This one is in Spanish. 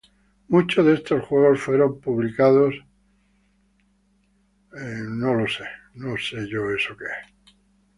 Muchos de estos juegos fueron publicados en el Best of Windows Entertainment Pack.